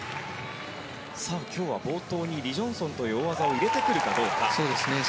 今日は冒頭にリ・ジョンソンという大技を入れてくるかどうか。